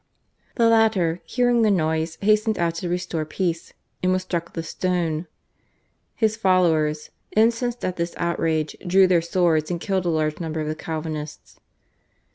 The latter, hearing the noise, hastened out to restore peace, and was struck with a stone. His followers, incensed at this outrage, drew their swords and killed a large number of the Calvinists.